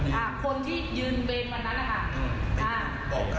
คนเลยค่ะคนที่ยืนเบนวันนั้นค่ะ